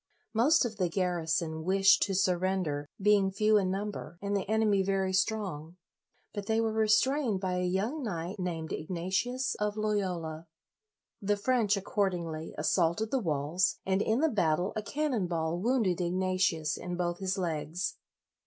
Most of the garrison wished to surrender, being few in number and the enemy very strong; but they were restrained by a young knight named Ignatius of Loyola. The French, accordingly, assaulted the walls, and in the battle a cannon ball wounded Ignatius in both his legs.